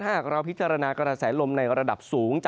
หากเราพิจารณากระแสลมในระดับสูง